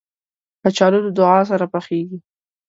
کچالو له دعا سره پخېږي